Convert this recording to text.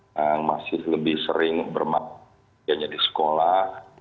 yang masih lebih sering bermain di sekolah